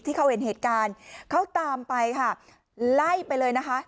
ที่เขาเห็นเหตุการณ์เขาตามไปค่ะไล่ไปเลยนะคะ